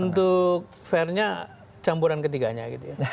untuk fairnya campuran ketiganya gitu ya